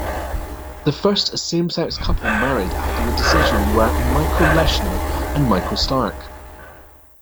The first same-sex couple married after the decision were Michael Leshner and Michael Stark.